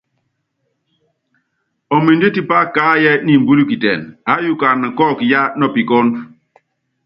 Ɔmindɛ́ tipá kaáyíɛ niimbúluikitɛnɛ, aáyukana kɔ́ɔkɔ yaa nɔpikɔ́ɔ^du.